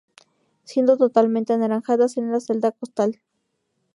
Siendo totalmente anaranjadas en la celda costal.